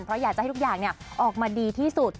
เพราะอยากจะให้ทุกอย่างออกมาดีที่สุด